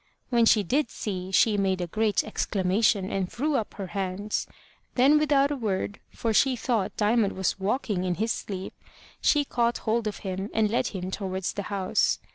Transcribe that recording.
When she did see, she made a great exclamation, and threw up her hands. Then without a word, for she thought Diamond was walking in his sleep, she caught hold of him, and led him towards the house.